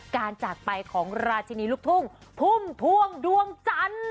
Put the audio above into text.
จากไปของราชินีลูกทุ่งพุ่มพวงดวงจันทร์